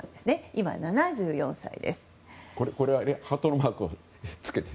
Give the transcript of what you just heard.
今、７４歳です。